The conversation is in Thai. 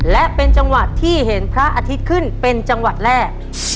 และเป็นจังหวัดที่เห็นพระอาทิตย์ขึ้นเป็นจังหวัดแรก